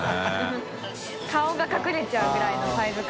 顔が隠れちゃうぐらいのサイズ感。